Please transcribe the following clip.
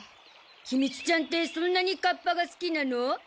ひみつちゃんってそんなにカッパが好きなの？